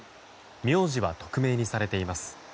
名字は匿名にされています。